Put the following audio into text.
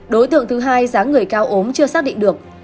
đối tượng thứ hai giá người cao ốm chưa xác định được